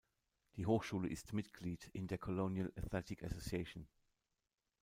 Die Hochschule ist Mitglied in der Colonial Athletic Association.